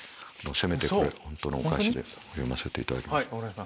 せめてこれ本当のお返しで読ませていただきます。